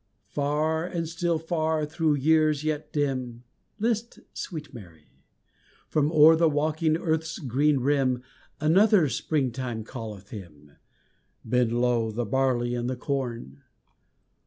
Far and still far through years yet dim List, sweet Mary! From o'er the waking earth's green rim Another Springtime calleth Him! Bend low, the barley and the corn!